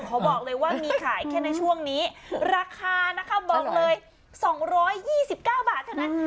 เขาบอกเลยว่ามีขายแค่ในช่วงนี้ราคานะคะบอกเลยสองร้อยยี่สิบเก้าบาทเท่านั้น